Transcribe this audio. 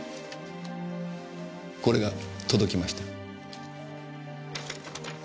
これが届きました。